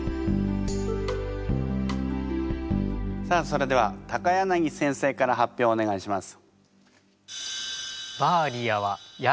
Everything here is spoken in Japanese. さあそれでは柳先生から発表をお願いします。